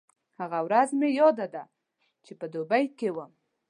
هغه ورځ مې یاده ده چې په دوبۍ کې وم.